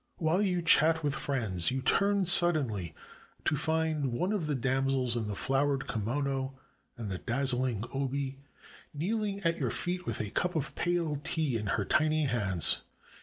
While you chat with friends, you turn suddenly to find one of the damsels in the flowered kimono and the dazzling obi kneeling at your feet with a cup of pale tea in her tiny hands.